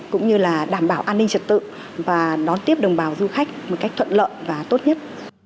cũng như là đảm bảo an ninh trật tự và đón tiếp đồng bào du khách một cách thuận lợi và tốt nhất